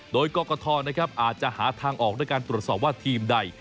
โดยกรกฐอาจจะหาทางออกด้วยการตรวจสอบว่าทีมใด